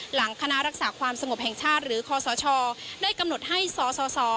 หลังคณะรักษาความสงบแห่งชาติหรือคอสชได้กำหนดให้สส